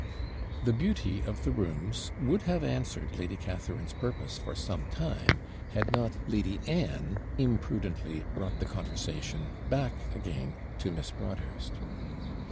The beauty of the rooms would have answered Lady Catharine's purpose for some time, had not Lady Anne imprudently brought the conversation back again to Miss Broadhurst.